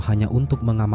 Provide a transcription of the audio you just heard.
hanya untuk mencari harimau